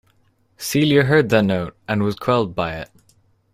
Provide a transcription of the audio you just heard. Celia heard that note and was quelled by it.